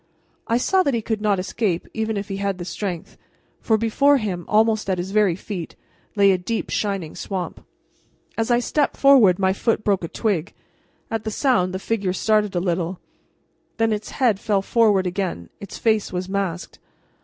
I saw that he could not escape even if he had the strength, for before him, almost at his very feet, lay a deep, shining swamp. As I stepped forward my foot broke a twig. At the sound the figure started a little, then its head fell forward again. Its face was masked.